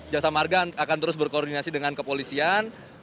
jasa marga akan terus berkoordinasi dengan kepolisian